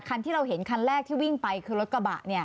คันที่เราเห็นคันแรกที่วิ่งไปคือรถกระบะ